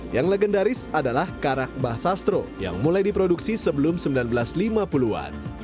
yang legendaris adalah karak bah sastro yang mulai diproduksi sebelum seribu sembilan ratus lima puluh an